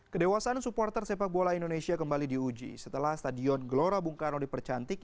kedewasaan supporter sepak bola indonesia kembali diuji setelah stadion gelora bung karno dipercantik